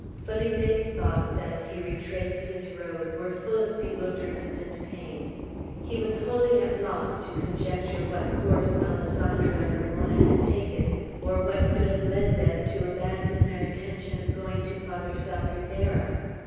Felipe's thoughts, as he retraced his road, were full of bewilderment and pain. He was wholly at loss to conjecture what course Alessandro and Ramona had taken, or what could have led them to abandon their intention of going to Father Salvierderra.